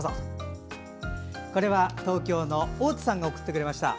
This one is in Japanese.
これは東京のｏ２さんが送ってくれました。